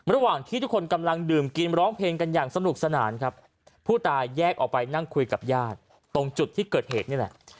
ระหว่างที่ทุกคนกำลังดื่มกินร้องเพลงกันอย่างสนุกสนานครับผู้ตายแยกออกไปนั่งคุยกับญาติตรงจุดที่เกิดเหตุนี่แหละ